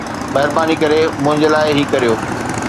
مهرباني ڪري منهنجي لاءِ هي ڪريو